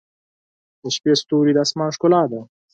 • د شپې ستوري د آسمان ښکلا ده.